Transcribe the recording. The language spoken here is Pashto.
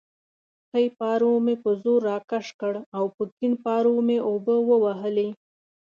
ښی پارو مې په زور راکش کړ او په کیڼ پارو مې اوبه ووهلې.